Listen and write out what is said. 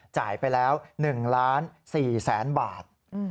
จ่ายไปแล้ว๑๔ล้านบาท